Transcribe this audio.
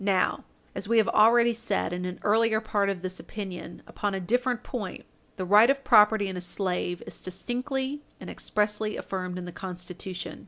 Now, as we have already said in an earlier part of this opinion upon a different point, the right of property in a slave is distinctly and expressly affirmed in the Constitution.